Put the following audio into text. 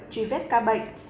truy vết ca bệnh